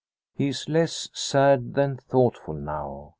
He is less sad than thoughtful now.